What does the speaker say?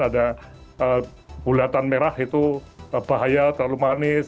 ada bulatan merah itu bahaya terlalu manis